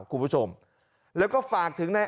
คุณผู้ชมแล้วก็ฝากถึงใน